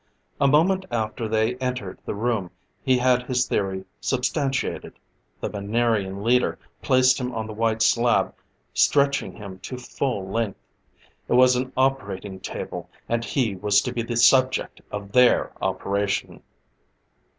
A moment after they entered the room, he had his theory substantiated: the Venerian leader placed him on the white slab, stretching him to full length. It was an operating table and he was to be the subject of their operation!